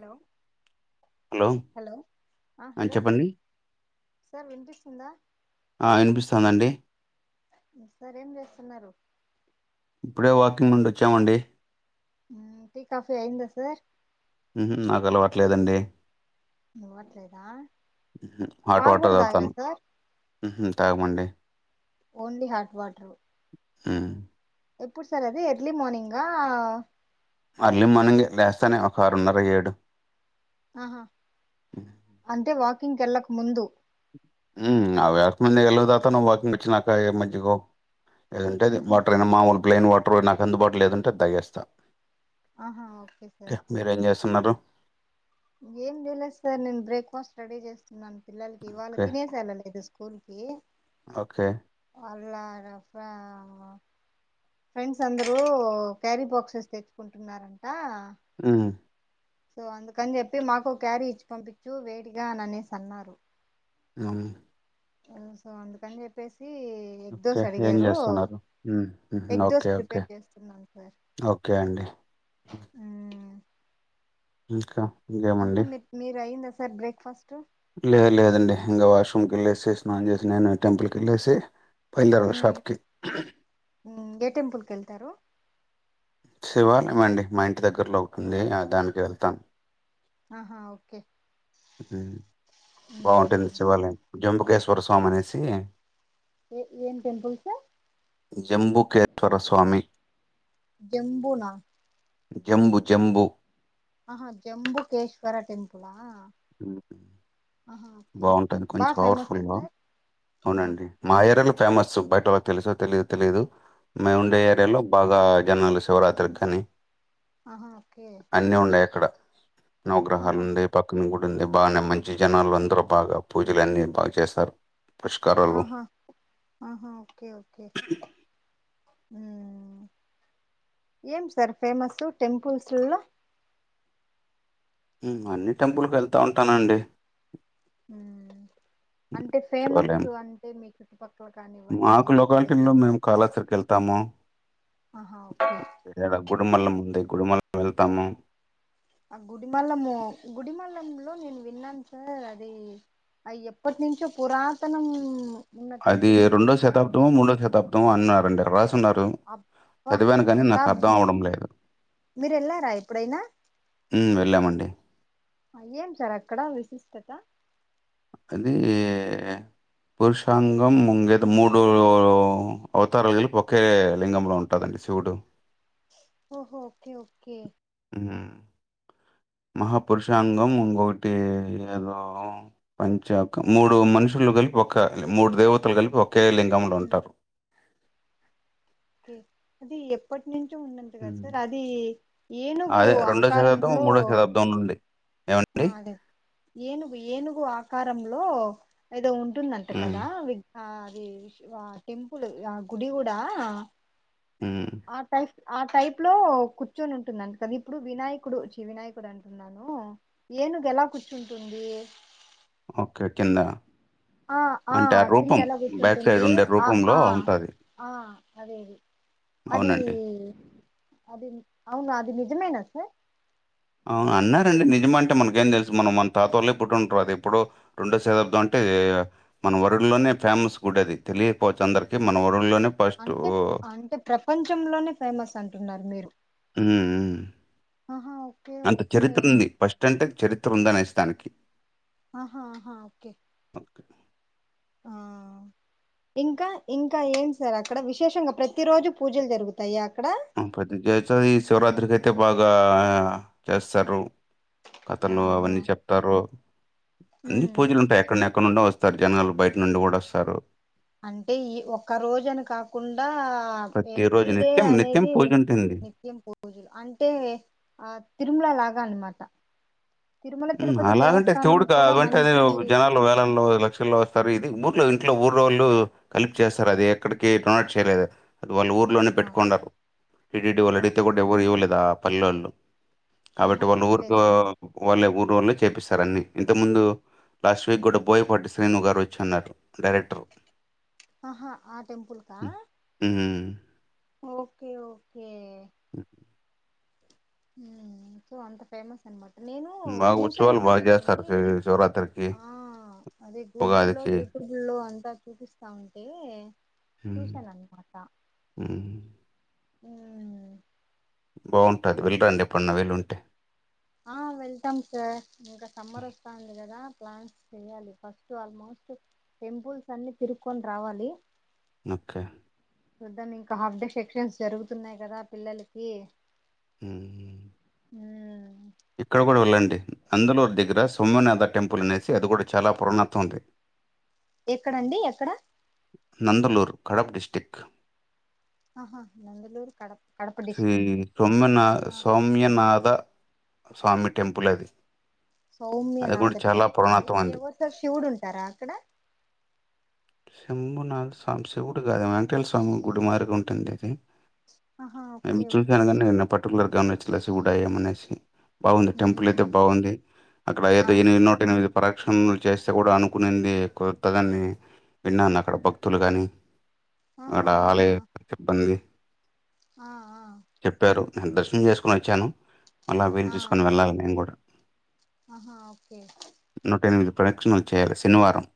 Hello hello ఆ చెప్పండి. Sir వినిపిస్తుందా ఆ వినిపిస్తాందండి. సరేఏం చేస్తున్నారు. ఇప్పుడే వాకింగ్ నుండి వచ్చామండి. ఊ టీ కాఫీ ఆయింద సార్ ఊ నాకు అలవట్లేదండి. ఇవ్వట్లేదా హాట్ పాలు వాటర్ కూడా తాగుతా తాగరా సార్ ఊహు తాగమండి. ఓన్లీ హాట్ వాటరు ఊ ఎప్పుడు సార్ అది ఎర్లీ మార్నింగ్గా అర్లీ మార్నింగే లేస్తానే ఒక ఆరున్నర ఏడు ఆహా అంటే వాకింగ్కి వెళ్ళక ముందు ఊ అవి వాకింగ్ వెళ్ళక ముందు వాకింగ్ వచ్చినాక ఏ మజ్జిగో ఏదంటే అది ఉహు వాటర్యనా మాములు ప్లేయిన్ వాటర్ రోజు నాకు అందుబాటులో ఏదుంటే అది తగేస్తా ఆహా ఓకే సార్ మీరేం చేస్తున్నారు. ఏం చేయలేదు సార్ నేను బ్రేక్ఫాస్ట్ రెడీ చేస్తున్నాను. పిల్లలకి ఇవాళ ఓకే తినేసెల్లలేదు స్కూల్కి ఓకే ఇవాళ ఇవాళ ఇలా ఫ్రెండ్స్ అందరూ క్యారీ బాక్సెస్ తెచ్చుకుంటున్నారంట. ఊ సో అందుకని చెప్పి మాకు క్యారీ ఇచ్చి పంపించు వేడీగా అని అనేసి అన్నారు. అవును ఓ సో అందుకని చెప్పేసీ ఓకే ఏం చేస్తున్నారు ఊ egg dosa okay okay prepare చేస్తున్నాను సార్ ఓకే అండి. మ్మ్. ఇంకా ఇంకా ఇంకేమండి మీర్ మీరు అయ్యిందా సర్ సర్ బ్రేక్ఫాస్టు లేద్ లేదండి ఇంకా వాష్రూమ్కి వెళ్ళేసి స్నానం చేసినాను టెంపుల్ కేళ్ళేసి ఊ ఉఏ టెంపుల్కి తారు. శివాలయమండి మా ఇంటి దగ్గరలో ఒకటుంది ఆ దానికి వెళ్తామ్. ఆహా ఓకే హు బాగుంటుంది మ్మ్. శివాలయం. జంబుకేశ్వర స్వామి అనేసి ఏ ఏం టెంపుల్స్ జంబుకేశ్వర స్వామి జంబునా జంబు జెంబు ఆహా జంబుకేశ్వర టెంపులా ఆహా ఓకే బాగుంటది కొంచెం బాగా ఫేమస్ పవర్ఫుల్గా సార్ ఆహా అవునండి మా యరలు ఫేమస్ బయట వాళ్ళకి తెలుసో తెలీదో తెలీదు మేం ఆ, వుండే ఏరియాలో బాగా జనాల్ శివరాత్రికి గాని ఆహా ఓకే ఆహా నౌగ్రహాలుండే పక్ గుడింది బానే మంచి జనాలు అందరూ బాగా పూజలన్నీ బాగు చేస్తారు పుష్కరాలు ఆహా ఆహా ఓకే ఓకే మ్మ్ ఏం సార్ ఫేమస్ టెంపుల్స్ లలో హ్మ్ అన్ని టెంపుల్ కు వెళ్తా ఉంటానండి హ్మ్ ఉమ్, అంటే ఫేమస్ శివాలయం అంటే మీకు మాకు లోలకాలిటీలో మేము కాళాస్త్రీకి వెళ్తాము, ఆహా ఓకే ఈడ గుడిమల్లం దగ్ గుడిమల్లం వెళ్తాము ఆ గుడిమల్లము గుడిమల్లం నేను విన్నాను సార్ అది అ ఎప్పటి నుంచో పురాతనం ఉన్న అది టెంపుల్ అంట రెండో కదా శతాబ్దమో మూడో శతాబ్దమో అన్నార్ అండర్ వాస్ అబ్బా అర్థం శతాబ్దం అవడం లేదు మీరు వెళ్ళారా ఎప్పుడైనా ఉమ్, వెళ్ళామండి ఏం సార్ అక్కడ విశిష్టత. ఉహ్ యే పురుషాంగం ముంగేదం మూడు అవతారాలు కలిపి ఒకే లింగంలో ఉంటదండి శివుడు. ఓహో ఓకే ఓకే మ్మ్ మహాపురుషాంగం ఇంగోటి ఏదో పంచకం మూడు మనుషులు కలిపి ఒక మూడు దేవతలు కలిపి ఒ ఒకే లింగములో ఉంటారు ఓకే అది ఎప్పట్ నించ్ టు ఉన్నంత కదా ఉమ్. సార్ అది ఏనుగు అదే రెండో ఆకారంలో ఆ ఏవ్వండి అదే ఏనుగు ఏనుగు ఆకారంలో ఏదో ఉం ఉంటుందంట ఉమ్, కదా విగ్ ఆ అది సివా టెంపుల్ ఆ గుడి కూడా ఉమ్, ఆ టైఫ్ ఆ టైప్ లో కూర్చొని ఉంటుందంట కదా ఇప్పుడు వినాయకుడు ఛీ వినాయకుడు అంటున్నాను. ఏనుగు ఎలా కూర్చుంటుంది ఓకే కింద ఆ ఆ అంటే కింద రూపం ఎలా బ్యాక్ సైడ్ కూర్చుంటుంది. ఉండే ఆ రూపంలో ఆ ఉంటుంది ఆ అదే అది అది అవునండి అది అవును అది నిజమేన సార్ అవును అన్నారండి. నిజమ అంటే మనకు ఏమి తెలుసు మనం మన తాతళ్ళే పుట్టి ఉంటారు. అది ఇప్పుడు రెండో శతాబ్దం అంటే మన వరల్డ్ లోనే ఫేమస్ గుడి అది తెలియకపోవచ్చు. అందరికీ మన వరుడులోనే ఫస్ట్ అంటే అంటే ప్రపంచంలోనే ఫేమస్ అంటున్నారు మీరు. ఊ ఉ ఉ ఆహా ఓకే అంత ఓకే చరిత్ర ఉంది ఫస్ట్ అంటే చరిత్ర ఉందనేసి దానికి ఆహా ఆహా ఓకే [inaudible] ఆ ఇంకా ఇంకా ఏం సార్ అక్కడ విశేషంగా ప్రతిరోజు పూజలు జరుగుతాయ? ప్రతి కే చెయ్ శివ రాత్రికి అయితే బాగా చేస్తారు. ఆ కథలు ఆ అవన్నీ చెప్తారు. అన్ని ఉమ్ పూజలు ఉంటాయి అక్కడ్నే. అక్కడ నుండి వస్తారు జనాలు, బయట నుండి కూడా వస్తారు. అంటే ఈ ఒక్క రోజు అని కాకుండా ఆ ప్రతిరోజు ఎవ్రీడే నిత్యం, నిత్యం అనేది పూజుంటుంది. నిత్యం పూజలు అంటే ఆ తిరుమల లాగా అనమాట. తిరుమల ఉమ్ తిరుపతి అలాగంటే దేవస్థానం ఇక్కడ కూడా కావంటే అది మంచి జనాల్లో వేలల్లో లక్షల్లో వస్తారు. ఇది ముత్ ఇంట్లో ఊరోళ్ళు కలిపి చేస్తారు. అది ఎక్కడికి [inaudible] చేయలేదు అది వాళ్ళు ఊర్లోనే ఆ పెట్టుకోండారు. టీడిటీ వాళ్ళు అడిగితే ఓకే కూడా ఎవరూ ఇవ్వలేదా పల్లోల్లు కాబట్టి ఆహా వాళ్ల ఊరుకా ఇవ్వలేదు ఊరోళ్లే చేపిస్తారు. అన్ని ఇంత ముందు లాస్ట్ వీక్ కూడా బోయపాటి శ్రీను గారు వచ్చి అన్నారు డైరెక్టరు. ఆహా ఆ టెంపుల్ కా హ్మ్ హ్మ్. ఓకే ఓకే ఉ హుమ్ సో అంత ఫేమస్ అనమాట్ నేను బాగా చూశాను ఉత్సవాలు బాగా చేస్తారు కానివ్వండి. శి శివరాత్రికి ఆ అదే గూగుల్లో, ఉగాదికి యూట్యూబుల్లో అంతా చూపిస్తా ఉంటే హ్మ్ చూశాను అన్నమాట. హ్మ్ ఊ బాగుంటది. వెళ్ళిరండి ఎప్పుడున్న వీలుంటే ఆ వెల్తామ్ సార్ ఇంకా సమ్మర్ వస్తాంది కదా. ప్లాన్స్ చెయ్యాలి. ఫస్ట్ ఆల్మోస్ట్ టెంపుల్స్ అన్ని తిరుక్కొని రావాలి. ఒకే చూద్దాం ఇంకా హాఫ్ డే సెక్షన్స్ జరుగుతున్నాయి. కదా పిల్లలకి ఊమ్ ఊమ్ అందులూరు దగ్గర సోమనాథ టెంపుల్ అనేసి అది కూడా చాలా పురాణత ఉంది ఎక్కడండి ఎక్కడ నందలూర్ కడప డిస్టిక్ ఆహా నందలూరు కడప కడప శ్రీ డిస్టిక్ ఆ సొమ్మెనా-సౌమ్యనాథ స్వామి టెంపుల్ అది అది సౌమ్యనాథ కూడా చాలా టెంపుల్ పురాణత్వం ఉంది ఎ-ఎ-ఎవరుసర్ శివుడు ఉంటారా అక్కడ శంభునాథ స్వామి శివుడు కాదేమో వెంకటే స్వామి గుడి మారిగా ఉంటుంది ఇది ఆహా ఓకే చూసాను ఓకే కానీ నేను పర్టికులర్గా గమనించ ప్లసి గూడా ఏమనేసి బాగుంది మ్మ్ టెంపుల్ అయితే మ్మ్. బాగుంది అక్కడ అయితే ఆ ఎనిమిది నూట ఎనిమిది ప్రక్షణలు చేస్తే కూడా అనుకునింది కుదుర్తదని విన్నాను అక్కడ భక్తులు కానీ ఆహా ఆడ ఆహా ఆలయ సిబ్బంది ఆ ఆ ను దర్శం చేసుకుని వచ్చాను మళ్ళ వీలు ఆ తీూసుకొని వెళ్ళాలి నేను కూడా ఆహా ఓకే నూట ఎనిమిది ప్రరక్షణలు చేయాలి శనివారం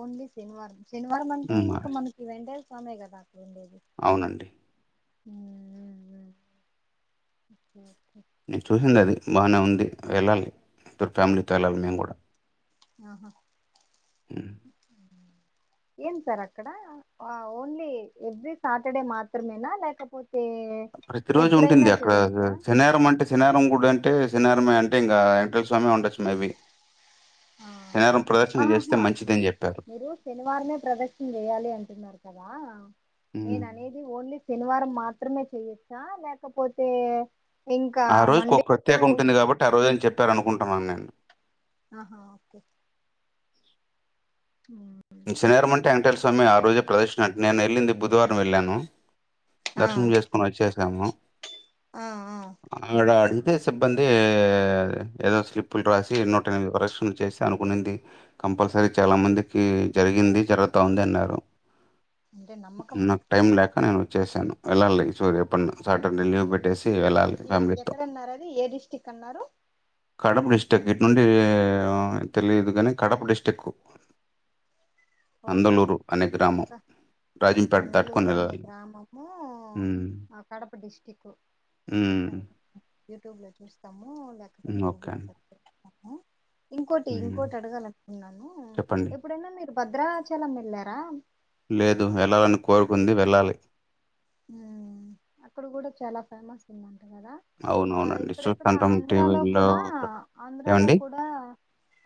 ఓన్లీ శనివారం శనివారం అంటే ఉమ్, ఇంకా మనకి వెండేది స్వామయ్య కదా అకు ఉండేది అవునండి ే నేను చూసింది అది బాగానే ఉంది వెళ్ళాలి ఇద్దరు ఫ్యామిలీతో వెళ్ళాలి మేము కూడా ఆహో ఉమ్. ఏం సార్ అక్కడ ఓన్లీ ఎవ్రీ సాటర్డే మాత్రమేనా లేకపోతే ప్రతి రోజు ఉంటుంది ఎప్పుడైనా అక్కడ చేయొచ్చా శనేరం అంటే శనేారంం కూడా అంటే అంటే సనివారాం అంటే ఇంకా వెంకటల్ స్వామి ఉండొచ్చు మేబీ ఆ శనివారం ప్రదర్శన చేస్తే ఆహా మంచిదని చెప్పారు మీరు శనివారమే ప్రదర్శన చేయాలి అంటున్నారు కదా నేను ఉమ్. అనేది ఓన్లీ శనివారం మాత్రమే చెయొచ్చు ఆ లేకపోతే ఇంకా ఆ రోజు ఒక మండే ప్రత్యక ఉంటుంది కాబట్టి ఆ రోజుని చెప్పారు రూ అనుకుంటున్నాను నేను ఆహా ఓకే ఉ శనేరమంట వేంకటేశ్వర స్వామి ఆ రోజే ప్రదర్శినట్టు నేను వెళ్ళింది బుధవారం వెళ్ళాను ఆ దర్శనం చేసుకుని వచ్చే కమ ఆ ఆ ఆడ అదే సిబ్బంది ఏదో స్లిప్పులు రాసి నూట ఎనిమిది ప్రదర్శనలు చేసి అనుకునింది కంపల్సరీ చాలా మంది ఉమ్ జరిగింది జరుగుతా ఉంది అన్నారు అంటే నమ్మకం ఇ నేను వచ్చసాను వెళ్ళాలి చూ ఎప్పడు సార్టర్డే లీవ్ పెట్టేసి వెళ్ళాలి ఫ్యామిలీతో. ఎక్కడన్నారు అది ఏ డిస్టిక్ అన్నారు కడప డిస్టిక్ ఇటు నుండి తెలియదు కానీ కడప డిస్టిక్ ఓకే గ్రామం. రాజంపేట దాటుకొని నందలూరు అనే వెళ్ళాలి. గ్రామము హ్మ్. కడప డిస్టిక్ హ్మ్. కొతాం యూట్యూబ్ లో చూస్తాము మూ లేకపోతే హ్మ్. ఓకే గూగుల్లో అండి. సెర్చ్ చెస్ ఇంకోటి హ్మ్. ఇంకోటి అడగాలనుకున్నాను చెప్పండి. ఎప్పుడైనా మీరు భద్రావచలం వెళ్ళారా లేదు వెళ్లాలని కోరుకుంది వెళ్ళాలి అక్కడ కూడా చాలా ఫేమస్ ఉందంట కదా ఆ అవునవునండి. ఇక్కడక్కడ చూస్తుంటాం ఆంధ్రాలో టీవీల్లో. కూడా ఆంధ్రాలో ఏవండీ? కూడా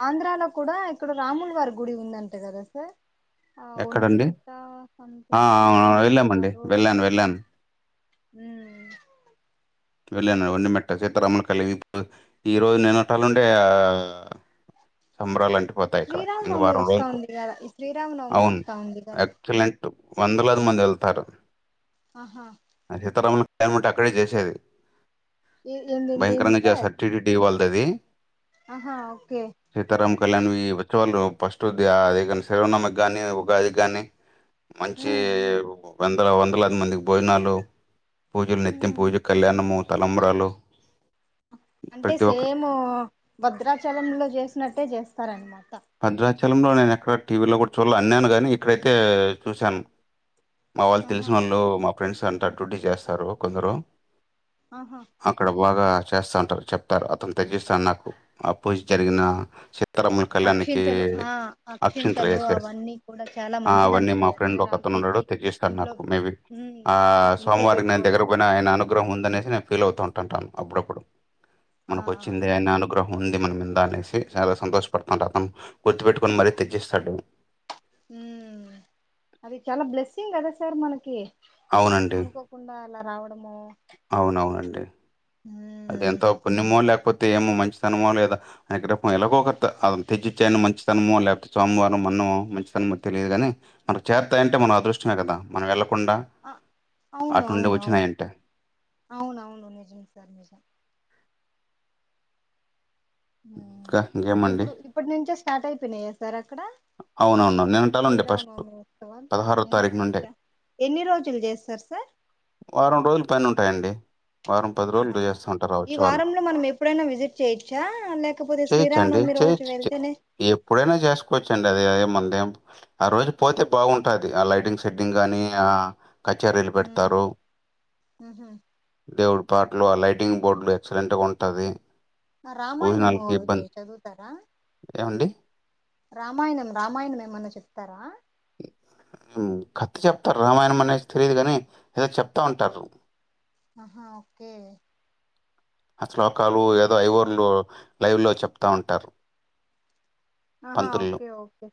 ఆంధ్రాలో కూడా ఇక్కడ రాములు వారి గుడి ఉందంట కదా సార్ ఆ ఒంటిి ఎక్కడండి? మిట్టా సథింగ్ ఆ! ఏదో అవునవును. వెళ్ళామండి. అంటారు వెళ్ళాను. వెళ్ళాను. ఉమ్ వెళ్ళాను వంటి మట్ట సీతారామ్ముల కలిగి ఇప్పుడు ఈరోజు నిన్నట్టాలుండే ఆ సంబరాలండి శ్రీరామనవమి వస్తా ఉంది కదా శ్రీరామనవమి అవును. వస్తా ఉంది కదా ఎక్సలెంట్ వందలాది మంది వెళ్తారు ఆహా అ సీతారాముల దముటెక్కడ చేసేది ఏ ఏంది ఏంది భయంకరంగా సార్ చేస్తారు టీడీడీ వాళ్ళు అది ఆహా ఓకే సీతారామ కళ్యాణమే వచ్చేవాళ్ళు ఫస్ట్ది అది కానీ శరోవనామ్మకి కానీ ఉగాది కానీ మంచి ఉమ్ ఉమ్ ఓపెన్ ఇక్కడ వందలాది మందికి భోజనాలు పూజలు నిత్యం ఉమ్ పూజల కళ్యాణమూ తలంబ్రాలు అంటే ప్రతి ఒక్కరు సేమ్ భద్రాచలంలో చేస్త నట్టే చేస్తారనమాట పద్రాజ్ చలంలో నేను ఎక్కడ టీవీలో కూడా చూడళ్ళ అన్నాను గానీ ఇక్కడైతే చూశాను మా వాళ్ళు ఆహా తెలిసిన వాళ్ళ మా ఫ్రెండ్స్ అంతా డుటీ చేస్తారు కొందరు ఆహా అక్కడ బాగా చేస్తాంటారు చెప్తారు అతను తెగిస్తా అన్నప్పు అప్పుడు జరిగిన చె తరాముల కళ్యాని కె అక్షింతలు ఆ అక్షింతలు ఎస్ ఎస్ అవన్నీ కూడా చాలా ఆ మంచిదంట అవన్నీ మా కదా ఫ్రెండ్ సార్ ఆకు ఒకతను ఉండాడు తెచ్చి తెచ్చిస్తాడు ఇంట్లో నాకు మేబి, ఉమ్ ఆ ఇంట్లో సోమవారికి నేను పెట్టుకోవడం దగ్గర వల్ల పోయినా ఆయన కానీ అనుగ్రహం ఉందనేసి నేను ఫీల్ అవుతాన్ టంటాను అప్పుడప్పుడు ఆ మనకు వచ్చింది ఆయన అనుగ్రహ్ ఉంది మన మిందా అనేసి చాలా సంతోషపడతాంటను గుర్తుపెట్టుకొని మరీ తెచ్చిస్తాడు. ఉం అది చాలా బ్లెస్సింగ్ కదా సార్ మనకి అవునండి అనుకోకుండా అలా రావట్ డమో టే అది ఎంతో పుణ్యమో ల్యాకపో తే ఏమో మంచితనమో లేదా అన రే ఎలాగో ఒకట్ట అతను తెచ్చిచ్చా ఆయిన మంచితనమో లేకపోతే సోమవారం మనమో మంచితనమో తెలియదుగాని మనకి చేరతాయంటె మన అదృష్టమే కదా మనం ఎల్లం అ అవును అవును అవును వచ్చినాయంటే అవును అవును నిజం సార్ నిజం హుం ఇంకా ఇంకేమండి ఇప్పుడు ఇప్పడినుంచే స్ స్టార్ట్ అయిపోయినాయా సార్ అక్కడ అవునవును నినుంటానండి ఫస్ట్ శ్రీరామనవమి ఉత్సవాలు పదహారో నిన్నటి తారీఖు నుండే, నుంచా ఎన్ని రోజులు చేస్తారు సార్ వారం రోజుల పైన ఉంటాయండి. వారం పది ఆహా రోజులు చేస్తూ ఉంటారు ఈ వచ్చే వాళ్ళు వారంలో మనం ఎప్పుడైనా విసిట్ చేయొచ్చా, లేకపోతే చేయొచ్చండి శ్రీరామనవమి రోజు చేయొచ్చు వెళ్తేనే అదె అదె మందేం ఆ రోజు పోతే బాగుంటాది ఆ లైటింగ్ సెట్టింగ్ గానీ ఆ కచేరీలు ఉమ్, పెడతారు ఉహు. దేవుడు పాట్లు ఆ లైటింగ్ బోర్డు ఎక్సలెంట్ గా ఉంటాది ఆ రామాయణమో వీటి చదువుతారా? ఏవండి? రామాయణం రామాయణం ఏమన్నా చెప్తారా ఉ కత్తి చెప్తారు రామాయణం అనేసి స్త్రీ గాని ఏదో చెప్తా ఉంటారు. ఆహా ఓకె ఆ శ్లోకాలు ఏదో ఐవర్లు లైవ్ లో చెప్తా ఉంటారు. ఆహా పంతులు. Okay okay